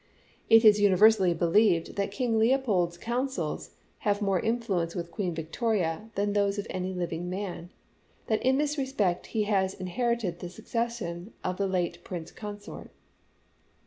It is universally believed that King Leopold's counsels have more influence with . Queen Victoria than those of any living man ; that in this respect he has inherited the succession of the late Prince Consort."